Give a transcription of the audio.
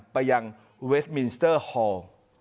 ไปยังเวสมินสเตอร์ฮอล์